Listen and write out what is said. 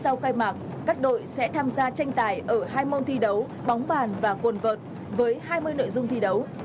sau khai mạc các đội sẽ tham gia tranh tài ở hai môn thi đấu bóng bàn và quần vợt với hai mươi nội dung thi đấu